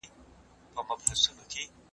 پوهه د انسان ډال دی.